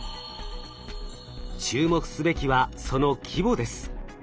注目すべきはその規模です。